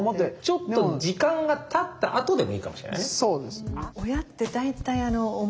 ちょっと時間がたったあとでもいいかもしれないね。